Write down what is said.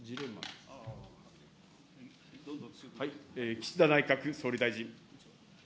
岸田内閣総理大臣。